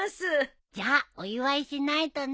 じゃあお祝いしないとね。